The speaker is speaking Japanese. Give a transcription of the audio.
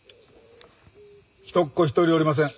人っ子一人おりません。